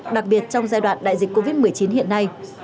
đặc biệt trong giai đoạn đại dịch covid một mươi chín hiện nay